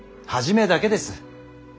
初めだけです。